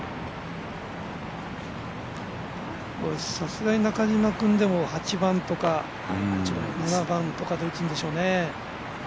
さすがに中島君でも８番とか、７番で打つんでしょうね。